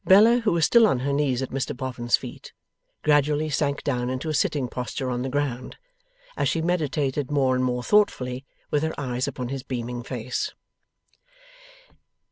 Bella, who was still on her knees at Mr Boffin's feet, gradually sank down into a sitting posture on the ground, as she meditated more and more thoughtfully, with her eyes upon his beaming face.